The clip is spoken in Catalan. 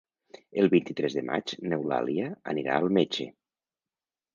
El vint-i-tres de maig n'Eulàlia anirà al metge.